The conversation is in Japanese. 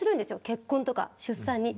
結婚とか出産に。